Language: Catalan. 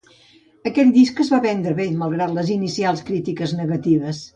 Aquell disc es va vendre bé malgrat les inicials crítiques negatives.